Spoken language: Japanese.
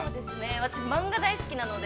◆私、漫画が大好きなので。